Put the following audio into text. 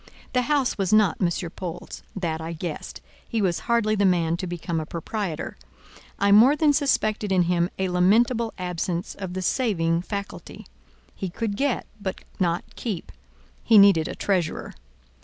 The house was not M. Paul's—that I guessed: he was hardly the man to become a proprietor; I more than suspected in him a lamentable absence of the saving faculty; he could get, but not keep; he needed a treasurer.